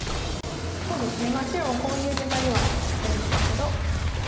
そうですね白もこういう粘りはありますけど。